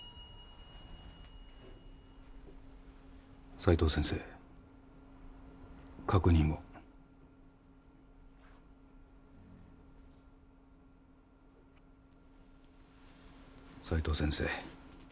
斉藤先生確認を斉藤先生